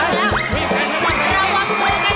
นักของพ่อขนาดนี้แล้วดู